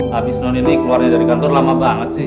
habis nonini keluarnya dari kantor lama banget sih